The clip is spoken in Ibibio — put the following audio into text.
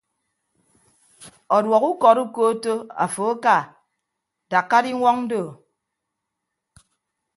Ọduọk ukọd ukootto afo aka dakka diñwọñ doo.